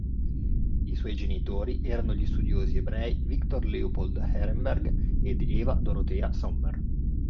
I suoi genitori erano gli studiosi ebrei Victor Leopold Ehrenberg ed Eva Dorothea Sommer.